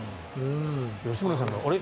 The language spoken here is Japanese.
吉村さんがあれ？